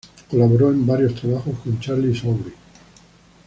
Colaboró en varios trabajos con Charles Aubry.